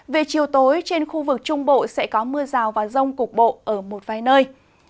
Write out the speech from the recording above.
về chiều tối trên khu vực trung bộ sẽ có mưa rào và rông cục bộ ở một vài nơi